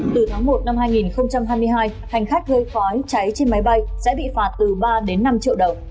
từ tháng một năm hai nghìn hai mươi hai hành khách gây khói cháy trên máy bay sẽ bị phạt từ ba đến năm triệu đồng